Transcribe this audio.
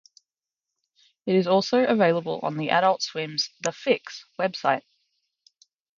It is also available on Adult Swim's "The Fix" website.